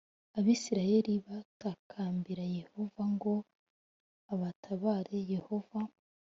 Abisirayeli batakambira Yehova ngo abatabare Yehova